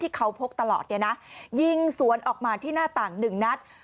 เขาพกตลอดเนี่ยนะยิงสวนออกมาที่หน้าต่างหนึ่งนัด